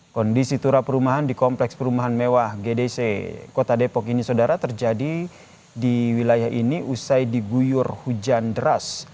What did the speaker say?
kondisi turap perumahan di kompleks perumahan mewah gdc kota depok ini saudara terjadi di wilayah ini usai diguyur hujan deras